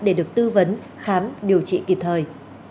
để được tư vấn khám điều trị kịp thời